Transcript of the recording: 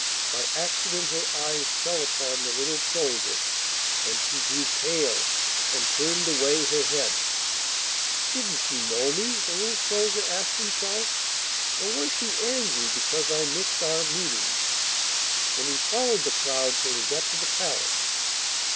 By accident her eyes fell upon the little soldier, and she grew pale and turned away her head. 'Didn't she know me?' the little soldier asked himself, 'or was she angry because I missed our meetings?' and he followed the crowd till he got to the palace.